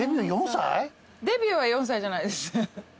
デビューは４歳じゃないです。